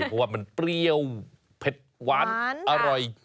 เพราะว่ามันเปรี้ยวเผ็ดหวานอร่อย